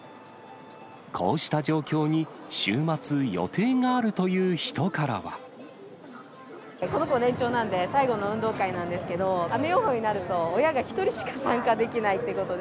こうした状況に、この子、年長なんで、最後の運動会なんですけど、雨予報になると、親が１人しか参加できないってことで。